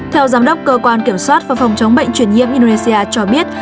theo giám đốc cơ quan kiểm soát và phòng chống bệnh truyền nhiễm indonesia cho biết